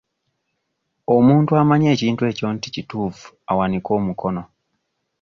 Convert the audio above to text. Omuntu amanyi ekintu ekyo nti kituufu awanike omukono.